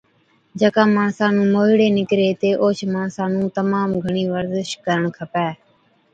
جڪا ماڻسا نُون موهِيڙي نِڪري هِتي اوهچ ماڻسا نُون تمام گھڻِي ورزش ڪرڻ کپَي